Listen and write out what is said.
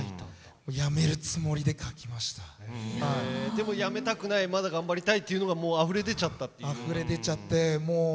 でもやめたくないまだ頑張りたいっていうのがもうあふれ出ちゃったっていうような。